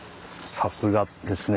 さすがですね